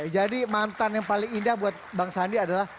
jadi mantan yang paling indah buat bang sandi adalah